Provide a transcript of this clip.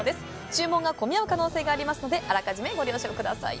注文が込み合う可能性がありますのであらかじめご了承ください。